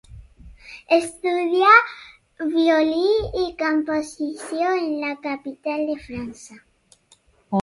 Estudià violí i composició en la capital de França.